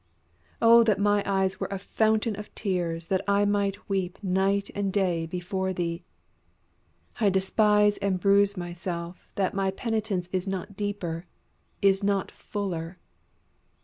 O that mine eyes were a fountain of tears that I might weep night and day before Thee! I despise and bruise myself that my penitence is not deeper, is not fuller.